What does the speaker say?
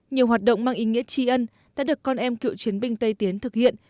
nhiều hoạt động mang ý nghĩa tri ân đã được con em cựu chiến binh tây tiến thực hiện